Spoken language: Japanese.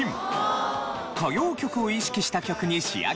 歌謡曲を意識した曲に仕上げたのだそう。